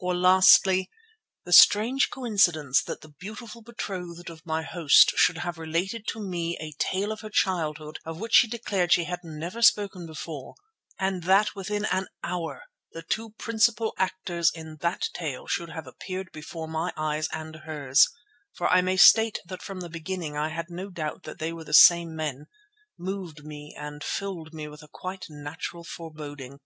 Or lastly, the strange coincidence that the beautiful betrothed of my host should have related to me a tale of her childhood of which she declared she had never spoken before, and that within an hour the two principal actors in that tale should have appeared before my eyes and hers (for I may state that from the beginning I had no doubt that they were the same men), moved me and filled me with quite natural foreboding.